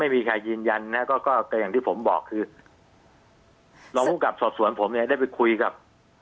ไม่มีใครยืนยันนะก็แต่อย่างที่ผมบอกคือรองภูมิกับสอบสวนผมเนี่ยได้ไปคุยกับ